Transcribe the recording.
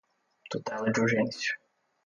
tutela de urgência